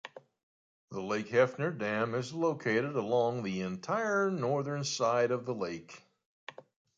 The Lake Hefner Dam is located along the entire northern side of the lake.